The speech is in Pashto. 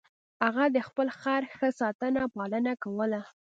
هغه د خپل خر ښه ساتنه او پالنه کوله.